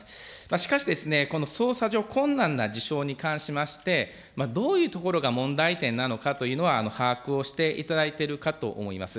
しかし、この捜査上、困難な事象に関しまして、どういうところが問題点なのかというのは把握をしていただいているかと思います。